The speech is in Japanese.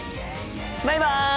バイバイ！